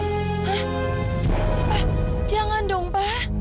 pak jangan dong pak